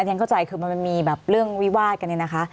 ฉันเข้าใจคือมันมีแบบเรื่องวิวาดกันเนี่ยนะคะ